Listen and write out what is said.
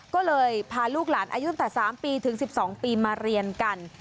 ก็เลยพาลูกหลานปีใหญ่ต้น๓ปีถึง๑๒ปีมาเรียนกัน